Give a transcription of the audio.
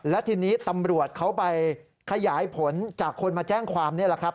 และทีนี้ตำรวจเขาไปขยายผลจากคนมาแจ้งความนี่แหละครับ